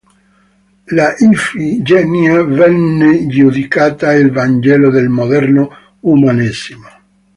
La "Ifigenia" venne giudicata il vangelo del moderno umanesimo.